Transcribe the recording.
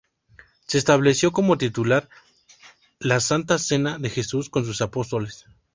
Se estableció como titular la Santa Cena de Jesús con sus apóstoles.